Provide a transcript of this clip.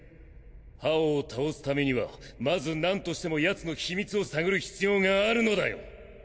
ハオを倒すためにはまずなんとしてもヤツの秘密を探る必要があるのだよ。